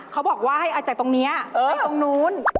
เขาบอกว่าให้เอาจากตรงนี้ไปตรงนู้น